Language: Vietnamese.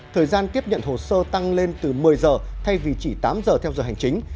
thời gian tiếp nhận hồ sơ tăng lên từ một mươi giờ thay vì chỉ tám giờ theo giờ hành chính